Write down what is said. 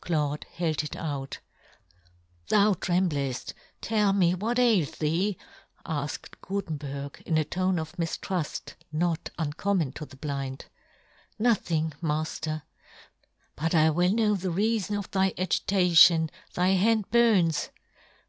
Claude held it out. "Thou yohn Gutenberg. 1 1 5 " trembleft ; tell me, what ails thee ?" afked Gutenberg, in a tone of mif truft, not uncommon to the blind. " Nothing, Mafler." " But I will " know the reafon of thy agitation ;" thy hand burns."